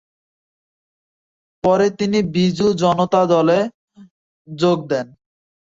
পরে তিনি বিজু জনতা দলে যোগ দেন।